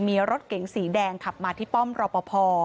มีรถเก๋งสีแดงขับมาที่ป้อมรอปภ